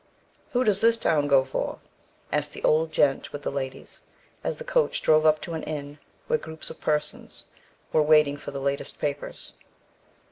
"Who does this town go for?" asked the old gent with the ladies, as the coach drove up to an inn, where groups of persons were waiting for the latest papers.